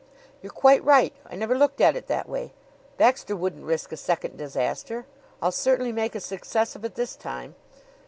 "You're quite right. I never looked at it in that way. Baxter wouldn't risk a second disaster. I'll certainly make a success of it this time."